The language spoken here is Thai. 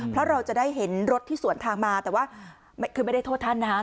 เพราะเราจะได้เห็นรถที่สวนทางมาแต่ว่าคือไม่ได้โทษท่านนะครับ